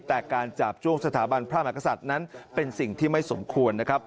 แต่การจาบจ้วงสถาบันพระมหากษัตริย์นั้นเป็นสิ่งที่ไม่สมควรนะครับ